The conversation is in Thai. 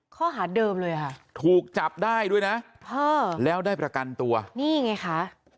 ข้อหาเดิมเลยค่ะถูกจับได้ด้วยนะพ่อแล้วได้ประกันตัวนี่ไงคะ